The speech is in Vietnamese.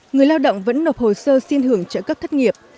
người lao động vẫn nộp hồ sơ xin hưởng trợ cấp thất nghiệp